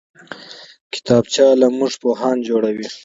کتابچه له موږ پوهان جوړوي